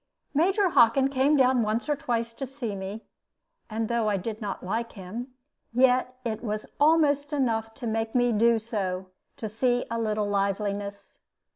Major Hockin came down once or twice to see me, and though I did not like him, yet it was almost enough to make me do so to see a little liveliness.